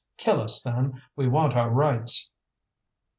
Kill us, then! We want our rights!"